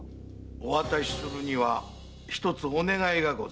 お渡しするには一つお願いがございます。